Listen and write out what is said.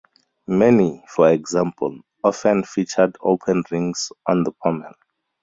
Many, for example, often featured open rings on the pommel.